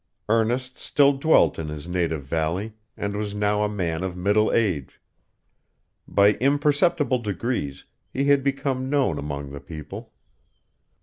Ernest still dwelt in his native valley, and was now a man of middle age. By imperceptible degrees, he had become known among the people.